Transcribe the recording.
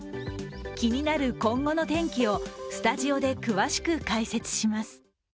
気になる今後の天気をスタジオで詳しく解説します。